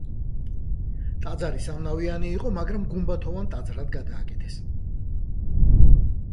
ტაძარი სამნავიანი იყო, მაგრამ ის გუმბათოვან ტაძრად გადააკეთეს.